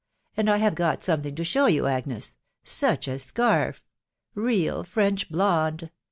And I have got something to show yon* Agnes ; juch a scarf 1 ... real French blonde